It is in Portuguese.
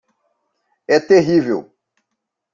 É terrível